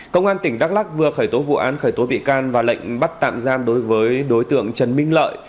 công an tỉnh đắk lắc vừa khởi tố vụ án khởi tố bị can và lệnh bắt tạm giam đối với đối tượng trần minh lợi